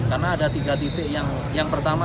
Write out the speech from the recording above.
karena ada tiga titik yang pertama